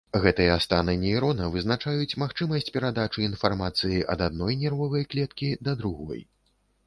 Гэтыя станы нейрона вызначаюць магчымасць перадачы інфармацыі ад адной нервовай клеткі да другой.